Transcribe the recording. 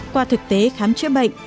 qua thực tế khám chữa bệnh